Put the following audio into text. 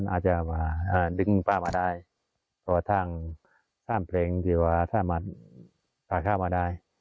อาจจะมาดึงป้ามาได้หรือว่าทางสามแพร่งเดี๋ยวว่าถ้ามาพาข้ามาได้